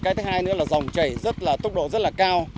cái thứ hai nữa là dòng chảy rất là tốc độ rất là cao